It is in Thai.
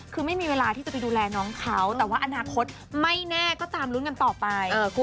คือไม่มีเวลาที่จะไปดูแลน้องเขาแต่ว่าอนาคตไม่แน่ก็ตามลุ้นกันต่อไป